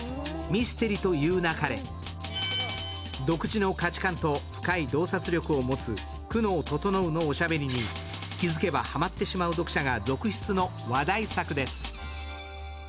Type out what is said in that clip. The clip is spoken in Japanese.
独自の価値観と深い洞察力を持つ久能整のおしゃべりに気付けばハマってしまう読者が続出の話題作です。